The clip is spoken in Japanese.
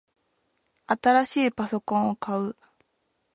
新しいパソコンを買う